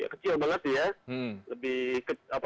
kecil banget ya